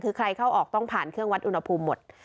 คือใครเข้าออกต้องผ่านเครื่องวัดอุณหภูมิหมด